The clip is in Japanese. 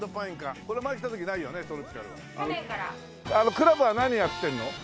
クラブは何やってるの？